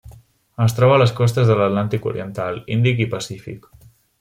Es troba a les costes de l'Atlàntic oriental, Índic i Pacífic.